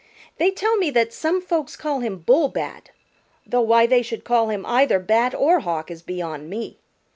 They tell me that some folks call him Bullbat, though why they should call him either Bat or Hawk is beyond me.